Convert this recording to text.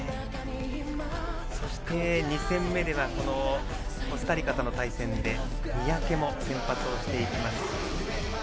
そして２戦目ではコスタリカとの対戦で三宅も先発をしていきました。